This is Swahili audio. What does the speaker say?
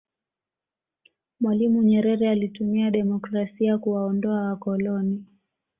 mwalimu nyerere alitumia demokrasia kuwaondoa wakoloni